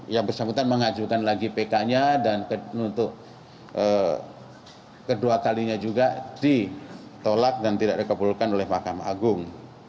yang bersangkutan mengajukan lagi pk nya dan untuk kedua kalinya juga ditolak dan tidak dikabulkan oleh mahkamah agung